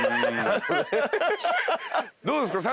どうですか？